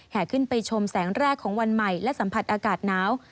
ขึ้นไปชมแสงแรกของวันใหม่และสัมผัสอากาศหนาว